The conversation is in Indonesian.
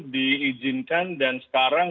diizinkan dan sekarang